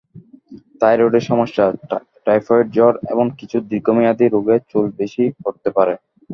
—থাইরয়েডের সমস্যা, টাইফয়েড জ্বর এবং কিছু দীর্ঘমেয়াদি রোগে চুল বেশি পড়তে পারে।